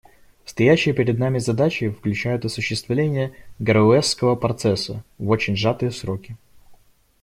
Стоящие перед нами задачи включают осуществление «Гароуэсского процесса» в очень сжатые сроки.